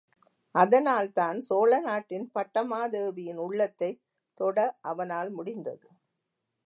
அதனால்தான், சோழநாட்டின் பட்டமாதேவியின் உள்ளத்தைத் தொட அவனால் முடிந்தது.